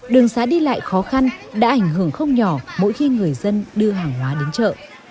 đường xá đi lại khó khăn đã ảnh hưởng không nhỏ mỗi khi người dân đưa hàng hóa đến chợ